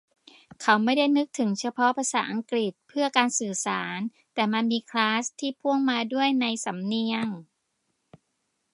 เขาไม่ได้นึกถึงเฉพาะภาษาอังกฤษเพื่อการสื่อสาร แต่มันมี "คลาส" ที่พ่วงมาด้วยในสำเนียง